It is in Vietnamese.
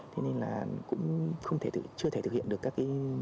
thế nên là cũng chưa thể thực hiện được các cái